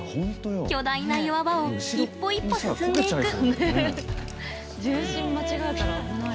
巨大な岩場を一歩一歩進んでいく。